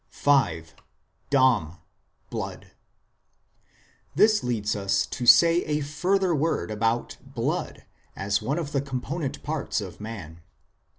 V. "DAM," BLOOD This leads us to say a further word about blood as one of the component parts of man.